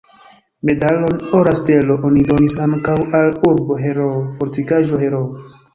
Medalon "Ora stelo" oni donis ankaŭ al "Urbo-Heroo", "Fortikaĵo-Heroo".